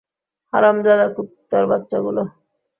হারামজাদা কুত্তার বাচ্চাগুলো!